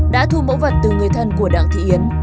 đã thu mẫu vật từ người thân của đặng thị yến